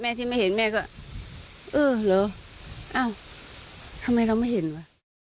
ที่ไม่เห็นแม่ก็เออเหรออ้าวทำไมเราไม่เห็นวะ